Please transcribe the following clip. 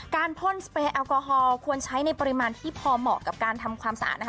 พ่นสเปรย์แอลกอฮอลควรใช้ในปริมาณที่พอเหมาะกับการทำความสะอาดนะคะ